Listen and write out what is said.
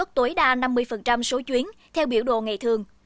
tối đa năm mươi số chuyến theo biểu đồ ngày thường